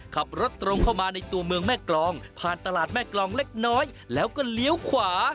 ขับรถตรงเข้ามาในตัวเมืองแม่กรองผ่านตลาดแม่กรองเล็กน้อยแล้วก็เลี้ยวขวา